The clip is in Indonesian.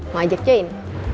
mau ajak jahin